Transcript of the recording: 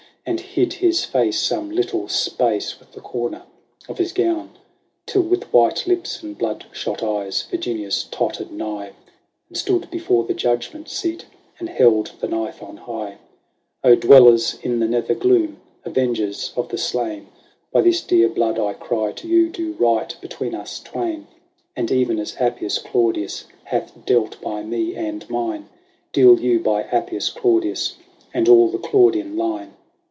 And hid his face some little space with the corner of his gown, Till, with white lips and bloodshot eyes, Virginius tottered nigh. And stood before the judgment seat, and held the knife on high. " Oh ! dwellers in the nether gloom, avengers of the slain. By this dear blood I cry to you, do right between us twain ; VIRGINIA. 169 And even as Appius Claudius hath dealt by me and mine, Deal you by Appius Claudius and all the Claudian line